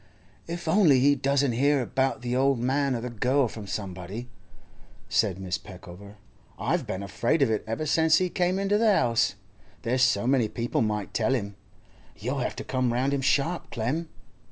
'If only he doesn't hear about the old man or the girl from somebody!' said Mrs. Peckover. 'I've been afraid of it ever since he come into the 'ouse. There's so many people might tell him. You'll have to come round him sharp, Clem.